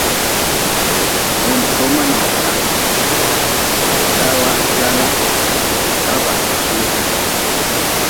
Wuntoma nawdran, tawa gwala, taraba suli.